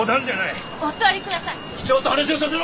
機長と話をさせろ！